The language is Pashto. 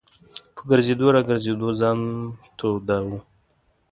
په ګرځېدو را ګرځېدو ځان توداوه.